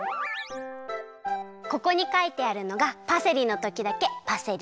ここにかいてあるのがパセリのときだけパセリっていってね。